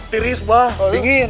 tiris bah dingin